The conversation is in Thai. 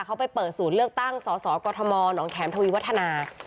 เขาไปเปิดศูนย์เลือกตั้งสสกมหนองแขมทวีวัฒนา